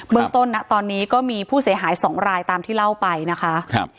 เมืองต้นนะตอนนี้ก็มีผู้เสียหายสองรายตามที่เล่าไปนะคะครับ